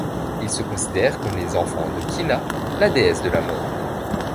Ils se considèrent comme les enfants de Kina, la déesse de la mort.